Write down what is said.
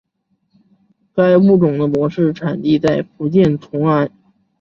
该物种的模式产地在福建崇安。